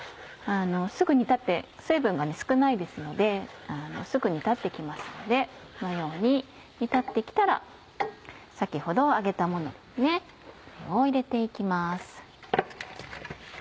すぐ煮立って水分が少ないですのですぐ煮立って来ますのでこのように煮立って来たら先ほど揚げたものですね